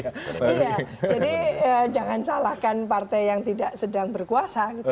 jadi jangan salahkan partai yang tidak sedang berkuasa